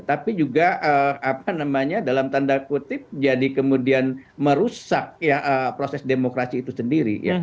tapi juga apa namanya dalam tanda kutip jadi kemudian merusak proses demokrasi itu sendiri